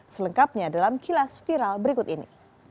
selengkapnya dalam kilas viral berikut ini